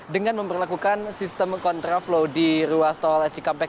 dengan memperlakukan sistem kontraflow di ruas tol cikampek